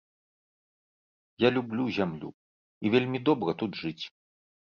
Я люблю зямлю, і вельмі добра тут жыць.